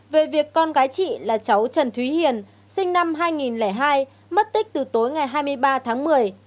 về việc con gái chị là cháu trần thúy hiền sinh năm hai nghìn hai mất tích từ tối ngày hai mươi ba tháng một mươi